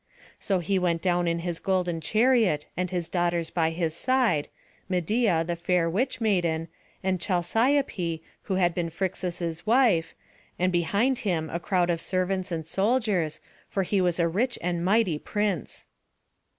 So he went down in his golden chariot, and his daughters by his side, Medeia the fair witch maiden, and Chalciope, who had been Phrixus's wife, and behind him a crowd of servants and soldiers, for he was a rich and mighty prince.